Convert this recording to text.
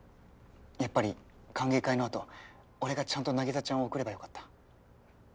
やっぱり歓迎会の後俺がちゃんと凪沙ちゃんを送ればよかった。